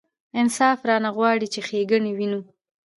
انصاف رانه غواړي چې ښېګڼې وینو.